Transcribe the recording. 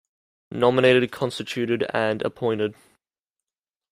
Nominated, constituted, and appointed.